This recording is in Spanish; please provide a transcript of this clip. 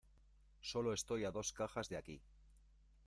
Sólo estoy a dos cajas de aquí.